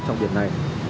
trong việc này